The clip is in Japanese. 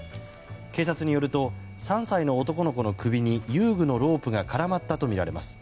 警察によると３歳の男の子の首に遊具のロープが絡まったとみられます。